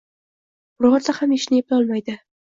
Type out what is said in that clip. Birorta ham ishni eplamaydi.